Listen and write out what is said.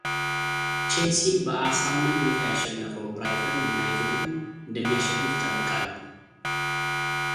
ቼልሲን በአሳማኝ ሁኔታ ያሸነፈው ብራይተን ዩናይንድን እንደሚያሸንፍ እጠብቃለሁ።